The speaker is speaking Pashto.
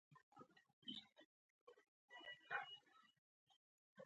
د امیرحبیب الله خان په زمانه کي لس پښتو کتابونه چاپ سوي دي.